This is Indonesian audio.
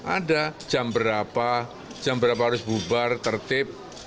ada jam berapa jam berapa harus bubar tertib